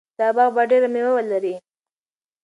دا باغ به ډېر مېوه ولري.